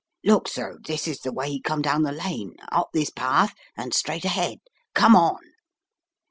"Look, sir, this is the way he come down the lane, up this path and straight ahead. Come on!"